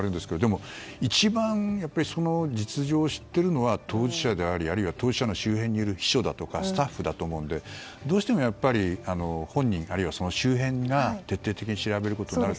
も、一番その実情を知っているのは当事者でありあるいは当事者の周辺にいる秘書とかスタッフだと思うのでどうしても本人、あるいはその周辺が徹底的に調べることになる。